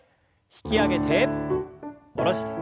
引き上げて下ろして。